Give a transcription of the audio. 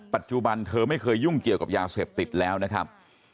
ปัจจุบันเธอไม่เคยยุ่งเกี่ยวกับยาเสพติดแล้วนะครับ